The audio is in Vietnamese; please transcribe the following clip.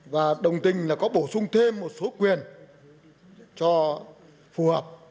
và đồng tình là có bổ sung thêm một số quyền cho phù hợp